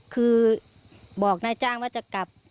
คือบอกนายจ้างว่าจะกลับ